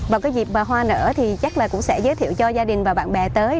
và dịp hoa nở thì chắc là cũng sẽ giới thiệu cho gia đình và bạn bè tới